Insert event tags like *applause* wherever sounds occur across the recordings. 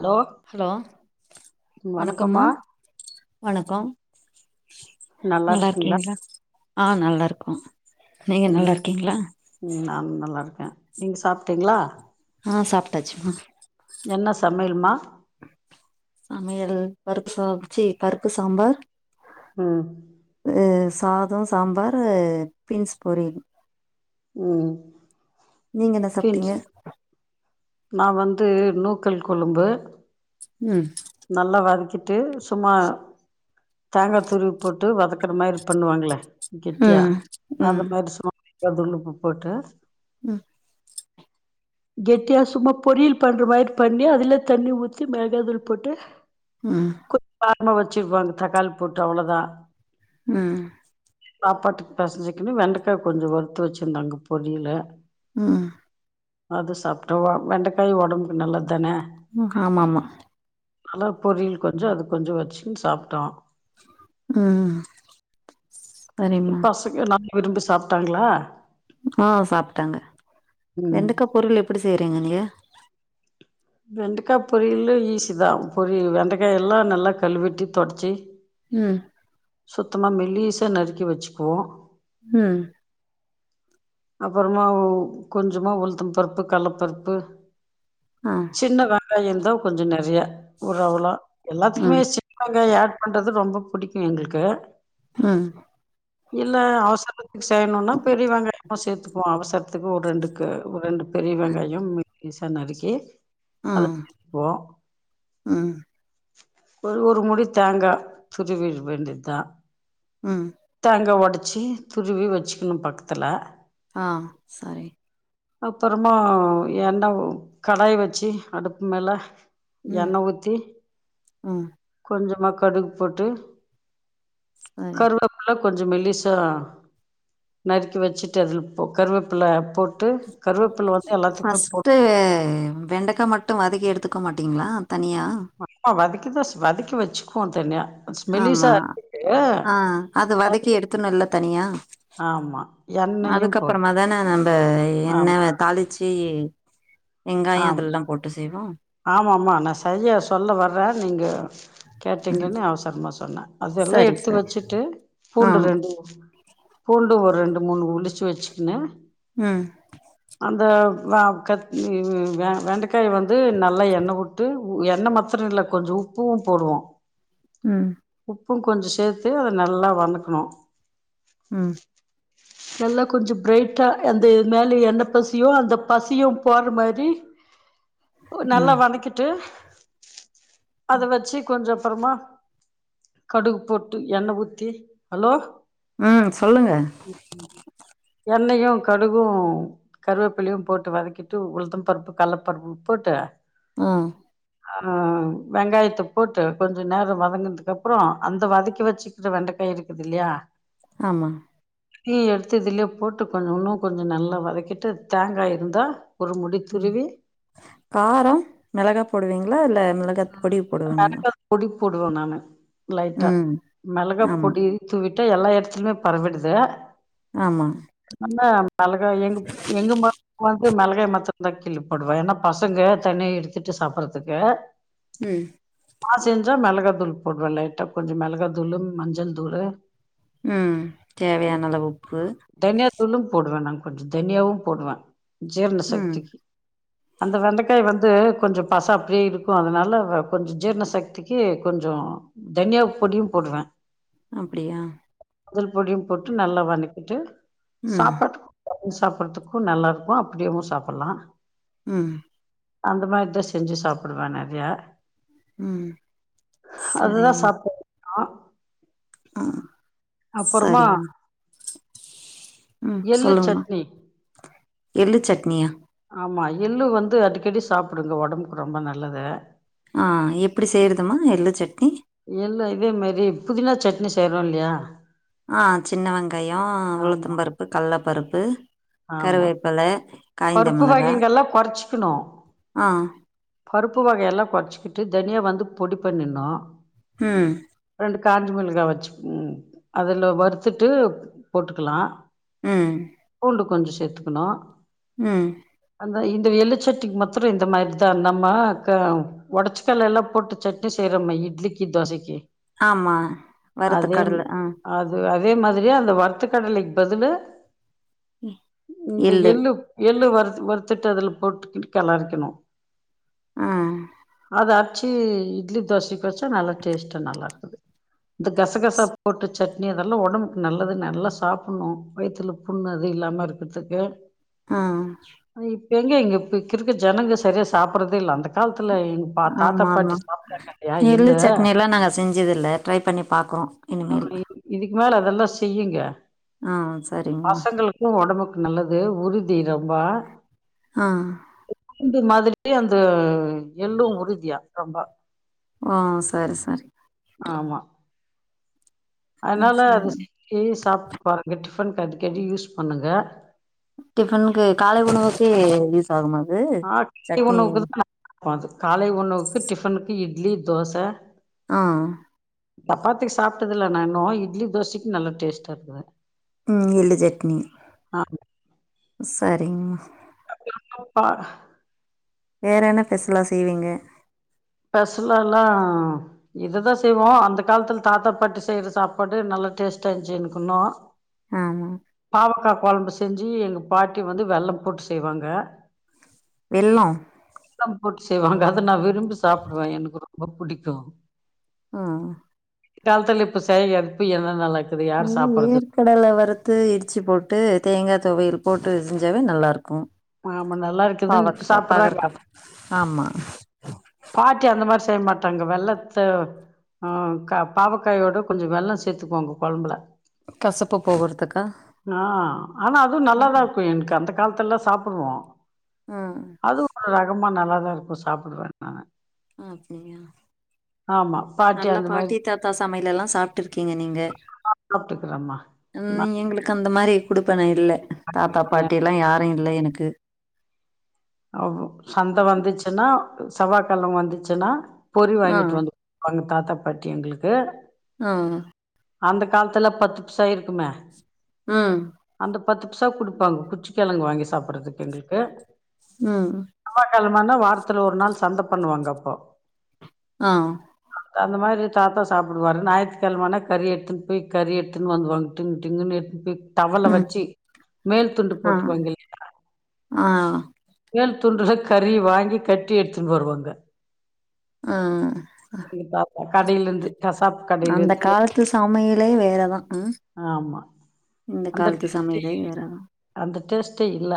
Hello hello வணக்கம்மா வணக்கம் நல்லா இருக்கீங்களா ஆ நல்லருக்கோ உம் உம் நானு நல்லா இருக்கே நீங்க சாப்பிட்டீங்களா ஆ சாப்பிட்டாச்சு மா என்ன சமையலுமா சமையல் பருப்பு அவிச்சி பருப்பு சாம்பார் உம் சாதம் சாம்பார் பின்ஸ் பொரியல் உம் நீங்க என்ன சாப்பிட்டீங்க நா வந்து நூக்கல் கொழும்பு ம் நல்ல வதக்கி ட்டு சும்மா தேங்கா துருவி போட்டு வதக்குற மாரி பண்ணுவாங்கல்ல கெட்டியா ம் அது ம் மாரி *inaudible* க தூளுப்பு போட்டு ம் கெட் ட்டியா சும்மா பொறியில் பண்ற மாரி பண்ணி அதுல தண்ணி ஊத்தி மெளகாதூள் போட்டு ம் ம்மா வெச்சிருவாங்க தக்காளி போட்டு அவ்வளோதா ம் சாப்பாட்டுக்கு பெசஞ்சுக்குனு வெண்டக்கா கொஞ்சோ வறுத்து வெச்சிருந்தாங்க பொறியில ம் அது சாப் டு வா வெண்டைக்காய் ஒடம்புக்கு நல்லது தானே ம் ஆமாமா நல்லா பொறியில் கொஞ்சோ அது கொஞ்சோ வெச்சுன்னு சாப்ட்டோ ம் சரிமா பசங்க நல்லா விரும்பி சாப்ட்டாங்களா ஆ சாப்ட்டாங்க ம் வெண்டக்கா பொறியல் எப்புடி செய்றீங்க நீங்க வெண்டைக்கா பொறியல்லும் ஈஸிதா பொறியில் வெண்டைக்கா எல்லா நல்லா கழுவிட்டி தொடச்சி ம் சுத்தமா மெல்லிசா நறுக்கி வெச்சுக்குவோம் ம் அப்றமா கொஞ்சமா உளுத்தம் பருப்பு கல்லப் பருப்பு ஆ சின்ன வெ ங்காயோ இந்தா கொஞ்சோ நெறையா ஒரு அவ்ளா எல்லாத்துக்குமே ம் சின்ன வெங்காயோ ஆட் பண்றது ரொம்போ பிடிக்கூ எங்குளுக்கு ம் இல்ல அவசரத்துக்கு செய்யணுனா பெரிய வெங்காயமு சேத்துக்குவோ அவசரத் துக்கு ஒரு ரெண்டுக்கு ஒரு ரெண்டு பெரிய வெங்காயம் மெல்லிசா நறுக்கி ஆ *unintelligible* ம் ஒரு ஒரு மூடி தேங்கா துருவிரு வேண்டித்தா ம் தேங்கா ஒடச்சு துருவி வெச்சுக்குணு பக்கத்துல ஆ சரி அப்றமா எண்ண ஊ கடாய் வெச்சி அடுப்பு மேல ம் எண்ண ஊத்தி ம் கொஞ்சமா கடுகு போட்டு செரி கருவேப்பில கொஞ்சோ மெல்லிசா நறுக்கி வச்சுட்டு அதுல போ கருவேப்புல போட் டு கருவேப்பல வந்து எல்லாத்துக்குமே போட் ஃபஸ்ட்டு வெண்டக்கா மட்டூ வதக்கி எடுத்துக்கோ மாட்டிங்களா தனியா கி தா வதக்கி வச்சுக்குவோ தனியா ஆமா மெலிசா அரைச்சிட்டு ஆ அத வதக்கி அது எடுத்துருணு இல்ல தனியா ஆமா எண்ணெயு போட்டு அதுக்கப்றமா தானே நம்ம எண்ண ஆமா தாளி ச்சி வெங்காயோ அதெல்லா போட்டு செய்வோ ஆமா ஆமா நா சரியா சொல்ல வ ரே நீங்க கேட்டீங்கன்னு அவசரமா சொன்னே அதெல்லா சரி எடுத்து சரி வச்சுட்டு ஆ பூண்டு ம் ரெண்டு பூண்டு ஒரு ரெண்டு மூணு உரிச்சு வச்சிக்கின்னு அந்த வா கட் ம் வெண்டக்காய் வந்து ந ல்லா எண்ண விட்டு எண்ண மத்திரோ இல்ல கொஞ்சோ உப்பூ போடுவோ உம் உப்பூ கொஞ்சோ சேத்து அத நல்லா வணக்கணு உம் நல்லா கொஞ்ச பிரரைட்டா அந்த இது மேல என பசியோ அந்த பசியு போற மாதிரி ம் நல்லா வதக்கிட்டு அத வச்சு கொஞ்ச அப்புறமா கடுகு போட்டு எண்ணெ ஊத்தி ஹலோ உம் சொல்லுங்க எண்ணெயையு கடுகு கருவேப்பிள்ளையு போட்டு வதக்கிட்டு உளுத்த பருப்பு கலப்பருப்பு போட்டு ஆ அ வெங்காயத்த போட்டு கொஞ்ச நேரம் வதங்கதுக்கு அப்புறம் அந்த வதக்கி வச்சுக்கிற வெண்டைக்காய் இருக்குது இல்லையா ஆமா நீ எடுத்து இதுலயே போட்டு கொஞ்ச இன்னு கொஞ்ச நல்லா வதக்கிட்டு தேங்காய் இருந்தா ஒரு முடி துருவி கார மிளகா போடுவீங்களா இல்ல மிளகா பொடி போடுவீங்களா போடுவோ நானு லைட்டா ம் மெளகா ஆமா பொடி தூவிட்டு ட்ட எல்லா எடத்துலிமே பரவிடுது ஆமா ஆமாம் மெளகாய் எங் எங்க ம வந்து மெளகாய் மாத் ந்த கிழ்லப்போடுவே ஏனா பசங்க தண்ணி எடுத்துட்டு சாப்பறதுக்கு ம் நான் செஞ்சா மெளகா தூள் போடுவே லைட்டா கொஞ்சோ மெளகா தூளு மஞ்சள் தூளு ம் தேவையான அளவு உப்பு தனியா தூளும் போடுவே நா கொஞ்சோ தனியாவு போடுவே ம் ஜீர்ணசக்திக்கி அந்த வெண்டைக்காய வந்து கொஞ்சோ பச அப்பிடியே இருக்கு அதனால கொஞ்சோ ஜீரண சக்திக்கி கொஞ்சோ தனியா பொடியும் போடுவே அப்டியா அதுல் பொடியும் போட்டு நல்லா வதக்கிட்டு ம் சாப்பாட்டுக் ம் சாப்புட்றதுக்கு நல்லாருக்கு அப்டியேவு சாப்புர்லா ம் அந்த மாதிரிதா செஞ்சு சாப்புடுவோ நெறையா ம் சரிம்மா ஆ அ அப்பறமா ம் சொல்லுங்மா எள்ளு சட்னியா ஆமா எள்ளு வந்து அடிக்கடி சாப்புடுங்க ஒடம்புக்கு ரொம்ப நல்லது ஆ எப்பிடி செய்யறதும்மா எள்ளு சட்னி எள்ளு இதே மேரி புதினா சட்னி செய்யறோ இல்லையா ஆ சின்ன வெங்காயோ ஆமா உளுத்தம் பருப்பு கல்லப்பருப்பு ஆமா கருவேப்பல பருப்பு வகைகள்ல்லா கொறைச்சிக்குணு ஆ பருப்பு வகையெல்லா கொறைச்சிக்கிட் விட்டு தனியா வந்து பொடி பண்ணிர்ன்னு ம் ரெண்டு காஞ்சு மெளகா வச்சுக்குங் அதுல வறுத்துட்டு போட்டுக்கலா ம் இன்னு கொஞ்சோ சேத்துக்கணு ம் இந்த இந்த எள்ளு சட்னிக்கு மத்துரே இந்த மாரி தா நம்மா கா ஒடச்சக்கல்லேல்லா போட்டு சட்னி செய்றோமேய் இட்லிக்கி தோசைக்கி ஆமா வறுத்த கடல ஆ அது அதே மாதிரியே அந்த வறுத்த கடலைக்கு பதிலு ம் எள்ளு எள்ளு வறுத்து வறுத்துட்டு அதுல போட்டுக்கிட்டு கெளரிக்கணு ஆ அதான் ச்சு இட்லி தோசைக்கு வச்சா நல்லா டேஸ்ட்டு நல்லா இருக்குது இந்த கசகசா ஸ்- போட்டு சட்னி அதெல்லா ஒடம்புக்கு நல்லது நல்லா சாப்புட்ணு வயித்துல புண்ணு அது இல்லாம இருக்குற்துக்கு ஆ இப்ப எங்க இங்க இப்பக்கிருக்க ஜனங்க சரியா சாப்பட்றதே இல்ல அந்த காலத் ஆமா ஆமா எள்ளு சட்னி எல்லா நாங்க செஞ்சது இல்ல ட்ரை பண்ணி பாக்குறோ இனிமேல் மொதல அதெல்லா செய்யுங்க ஆ சரிங்கம்மா பசங்களுக்கு ஒடம்புக்கு நல்லது உரிக் தி ரொம்பா ஆ இது மாதிரி அந்த எள்ளு உறுதியா ரொம்ப ஆ சரி சரி ஆமா ம் அதுனால அது சரி ருசிச்சு சாப்ட்டு பாருங்க டிஃபன்க்கு அடிக்கடி யூஸ் பண்ணுங்க டிஃபனுக்கு காலை உணவுக்கே யூஸ் ஆகுமா அது ஆ சட்னி *inaudible* காலை உணவுக்கு டிஃபனுக்கு இட் இட்லி தோச ஆ சப்பாத்திக்கி சாப்டதுல்ல நா இன்னோ இட்லி தோசைக்கு நல்ல டேஸ்டா இருக்குது ம் எள்ளு சட்னி ஆமா சரி செரிங்மா பா வேற என்ன பெசுலா செய்வீங்க பெசலாலா இதுதா செய்வோ அந்த காலத்துல தாத்தா பாட்டி செய்ற சாப்பாடு நல்லா டேஸ்ட்டா இருந்துச்சு எனக்குண்ணோ ஆமா கொழம்பு செஞ்சு எங்க பாட்டி வந்து வெல்லம் போட்டு செய்வாங்க வெல்லோ வெல்லம் போட்டு செய்வாங்க அத நா விரும்பி சாப் சாப்டுவே எனக்கு ரொம்ப புடிக்கு ஆ காலத்துல இப்ப செயகாதுப்ப என்ன நல்லா இருக்குது யார் ம் சாப்பறது வேர்கடல வருத்து இடிச்சு போட் போட்டு தேங்கா துவையல் போட்டு செஞ்சாவே நல்லா இருக் ம் ஆமா நல்லா இருக்குதுன்னு இப்ப பாவக்கா சாப்பறாங்க பாகற்காய் கொ ஆமா பாட்டி அந்த மாரி செய்ய மாட்டாங்க வெல்லத்த ஆ கா பாவக்காய்யோட கொஞ்சோ வெல்லோ சேத்துக்குகோங்க கொழம்புல கசப்பு போகுறதுக்கா ஆ ஆனா அதுவு நல்லாதா ம் இருக்கு எனக்கு அந்த காலத்துல்லா சாப்பிடுவோ ம் அது ஒரு ரகமா நல்லா நல்லா இருக்கு சாப்படுவே ஆ அப்படியா ஆமா. நல்லா அந்த மாரி பாட்டி தாத்தா சமையல எல்லா சாப்பிட்டு இருக்கீங்க நீங்க சாப்பிட்டுக்கிறேம்மா. நான் உம் எங்களுக்கு அந்த மாரி கொடுப்பன இல்ல தாத்தா இல்ல. பாட்டி எல்லா யாரு இல்லை எனக்கு ஓ சந்த வந்துச்சுன்னா செவ்வாகிழம வந்துச்சுன்னா பொறி ஆ வாங்கிட்டு வந்து வா தாத்தப்பாட்டி எங்களுக்கு ஆ அந்த காலத்துல பத்து பீஸா இருக்குமே உம் பத்து பீஸா கொடுப்பாங்க குச்சி கிழங்கு வாங்கி சாப்பிடறதுக்கு எங்களுக்கு உம் காலமானா வாரத்துல ஒரு நாள் சந்த பண்ணுவாங்க அப்போ ஆ அந்த மாரி தாத்தா சாப்பிடுவாரு ஞாயித்துக்கிழமனா கறி எடுத்துன்ட்டு போய் கறி எடுத்துன்னு வந்துவாங்க டிங்கு டிங்கன்ன எடுத்துட்டு போய் டவல்ள ம். வச்சு மேல் துண்டு ஆ. போட்டுக்வாங்க இல்லையா ஆ மேல் துண்டுல கறி வாங்கி கட்டி எடுத்துன்னு வருவாங்க ஆ இ பாப்பா கடைலிருந்து அந்த காலத்து சமையலே வேறதா ஆ ஆமா இந்த காலத்து சமயலே வேற டேஸ்டே இல்ல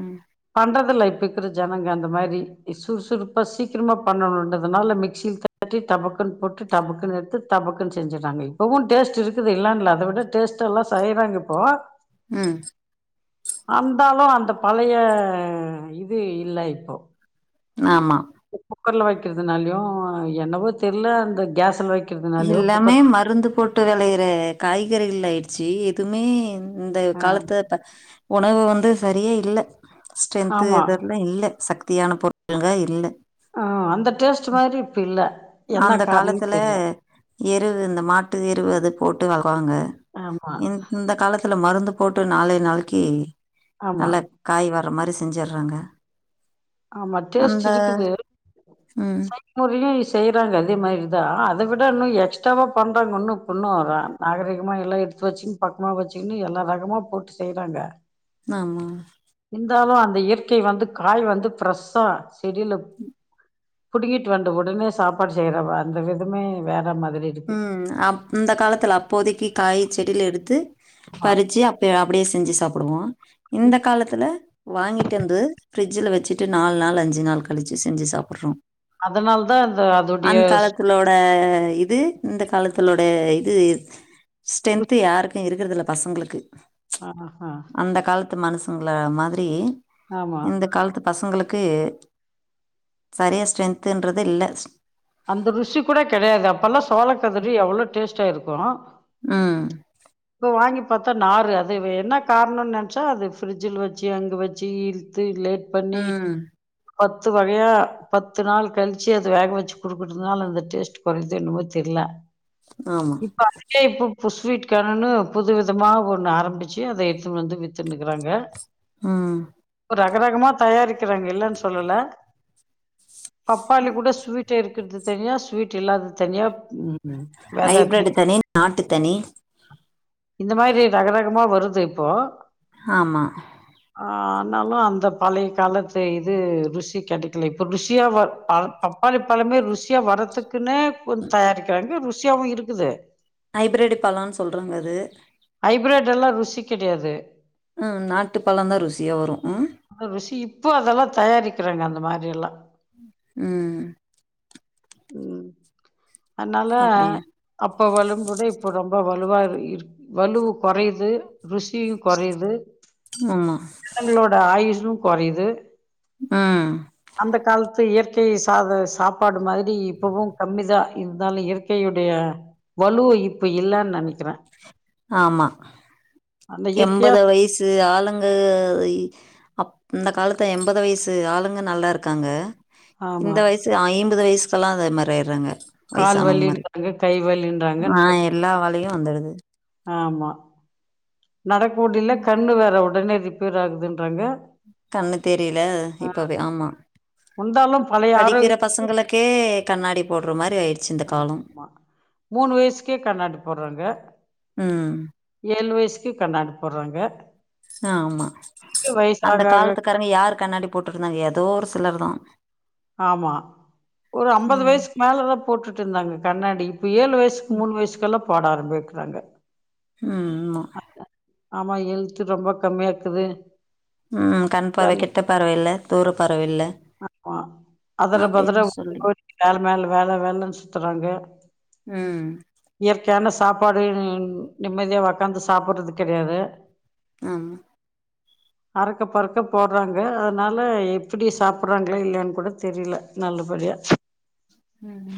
ம் பண்றதுல்ல இப்ப இருக்கிற ஜனங்க அந்த மாரி சுறுசுறுப்பா சீக்கிரமா பண்ணுன்றதுனால மிக்சியில் தட்டி டபக்குன்னு போட்டு டபக்குன்னு எடுத்து டபக்குன்னு செஞ்சுட்டாங்க இப்பவும் டேஸ்ட் இருக்குது இல்லாம்ல அத விட டேஸ்ட்லா செய்யறாங்க இப்போ உம் அந்தாலு அந்த பழைய ஆ இது இல்ல இப்போ ஆமா குக்கர்ல வைக்கிறதுனாலயு என்னவோ தெரியில அந்த கேஸ்ல வைக் எல்லாமே மருந்து போட் டு விளையற காய்கறிகள் ஆயிடுச்சு எதுவுமே இந்த ஆ காலத்த ப்ப உணவு வந்து சரியே இல்ல ஸ்டரன்ரத் ஆமா இது எல்லா இல்ல சக் த்தியான பொருட்களா இல்ல ஆ அந்த டேஸ்ட் மாரி இப்ப இல்ல என்ன அந்த காரணம்னு காலத்துல தெர்ல எருவு இந்த மாட்டு எருவு அது போட்டு வள ப்பாங்க ஆமா இந்த காலத் த்துல மருந்து போட்டு நாளை நாளைக்கு ஆமா நல்லா காய் வ ற மாரி செஞ்சடுறாங்க ஆமா டேஸ்ட் இருக்குது ம் சைம் டூ ரிலீஸ் செய்யறாங்க அதே மாதிரிதா அத விட இன்னும் எக்ஸ்ட்வா பண்றாங்க ஒன்னும் பொண்ணும் வர நாகரீகமா எல்லாம் எடுத்து வச்சுக்கு பக்கமா வச்சுக்கன்னு எல்லா ரகமா போட்டு செய்யறாங்க ஆமா இருந்தாலும் அந்த இயற்கை வந்து காய் வந்து பிரரெஷா செடில புடிங்கிட்டு வந்த உடனே சாப்பாடு செய்யறவ அந்த விதமே வேற மாத் உம் அ அந்த காலத்துல அப்போதைக்கு காய் செடியில எடுத்து ஆ பறிச்சு அப்ப யா அப்டியே செஞ்சு சாப்டுவோ இந்த காலத்துல வாங்கிட்டு வந்து ஃப்ரிட்ஜில வச்சுட்டு நாலு நாள் அஞ்சு நாள் கழிச்சு செஞ்சு சாப்பிட்றோ அதனால தா இந்த அதோடைய அந்த ஸ் காலத்தலோட இது இந்த காலத்தில்ல தோட இது ஸ்டென்த் யாருக்கும் இருக்குறதுல பசங்களுக்கு ஆ அ மனுசங்கள மாதிரி ஆமா இந்த காலத்து பசங்களுக்கு சரியா ஸ்ட்ரென்துன்றது இல்ல அந்த ருஷி கூட கிடையாது அப் பல்லா சோளக்கதுறு எவ்வளோ டேஸ்டா இருக்கு இப்போ ம் வாங்கி பாத்தா நாரு அது வே என்ன காரணோன்னு நெனச்சா அது ஃபிரிட்ஜில வச்சு அங்க வச்சு இழுத்து லேட் பண்ணி ம் பத்து வகையா பத்து நாள் கழிச்சு அது வேக வச்சு குடுகுற்னால அந்த டேஸ்ட் கொறஞ்சே என்னமோ தெர்ல ஆமாம் இப்ப வந்துட்டு இப்போ இப்போ ஸ்வீட் காரோன்னு புது விதமா ஒண்ணு ஆரம்பிச்சு அத எத்துன்னு வந்து வித்துனுகுறாங்க வித்துன்னுக்கிறாங்க ம் ரகரகமா தயாரிக்கிறாங்க இல்லன்னு சொல்லல பப்பாளி கூட ஸ்வீட் டே இருக்குறது தனியா ஸ்வீட் இல்லாதது தனியா ம் ம் வாட் ஹைப்ரிட் ஆப்பன் தனி நாட்டு தனி இந்த மாரி ரகரகமா வரும் து இப்போ ஆமா ஆ ஆனாலு அந்த பழைய காலத்து இது ருசி கிடைக்குல இப்ப ருசியா வ ப பப்பாளி பழமே ருசியா வர்றதுக்குன்னே கொஞ் தயாரிக்கிறாங்க ருசியாவும் இருக்குது ஹைப்ரிட்டு பழன்னு சொல்றங்க அது ஹைபிரட் எல்லா ருசி கிடையாது ம் நாட்டு பழம் தான் ருசியா வரும் ம் க்கிரங்க அந்த மாரி எல்லா ம் ம் அதனால அப்படியா அப் இப்போ வலும் கூட இப்போ ரொம்ப வலுவா இரு இருக் வலுவ் குறையுது ருசியும் கொறையுது ஆமா *unintelligible* ஆயுஷ ரு கொறையுது ம் அந்த காலத்து இயற் கை சாத சாப்பாடு மாதிரி இப்பவும் கம்மிதா இருந்தாலும் இயற்கையுடைய வலுவ் இப்ப இல்லன்னு நனைக்கிறே ஆமா இயற்கையா எண்பது வயசு ஆள் ளுங்க இ அப் இந்த காலத்து எண்பது வயசு ஆளுங்க நல்லா இருக்காங்க ஆமா இந்த வயசு ஐம்பது வயசு சல்லா அதே மாரி ஆயிறாங்க கால் வலின்றாங்க கை வலின்றாங்க ஆ எல்லா வேலையும் *unintelligible* வந்துடுது ஆமா நடக்க முடில கண்ணு வேற டனே ரிப்பேர் ஆகுதுன்றாங்க கண்ணு தெரில ஆ இப்பவே ஆமா இருந்தாலு பழைய படிக்கிற பசங்களுக்கே கண்ணாடி போட்ற மார் ஆ ஆமா மூணு வயசுக்கே கண்ணாடி போட்றாங்க ம் ஏழு வய்சு கண்டாண்டி போட்றாங்க ஆ ஆமா அந்த ஆக காலத்துக்காரங்க யாரு கண்ணாடி போட்டு இருந்தாங்க ஏதோ ஒரு ஒரு சிலர் தா ஆமா ஒரு அம்பது ம் வயசுக்கு மேலதா போட்டுட்டு இருந்தாங்க கண்ணாடி இப்ப ஏழு வயசுக்கு ம் மூணு வயசுக்குல்லா பாட ஆரம்பிக்கிறாங்க ஆமா ஆமா ஹெல்து ரொம்ப கம்மியா இருக்குது ம் கண் பார்வை கெட்ட பார்வை இல்ல துர ஆமா அதல பதர அப்டின்னு சொல்லி கோ வேல மேல வேல வேலன்னு சுத்துறாங்க ம் இயற்கையான சாப்பாடு நிம்மதியா உக்காந்து சாப்படுறது கெடையாது ஆமா அறக்க பறக்க போடுறாங்க அதனால எப்படி சாப்பறாங்கள இல்லலைன்னு கூட தெரில நல்லபடியா ம்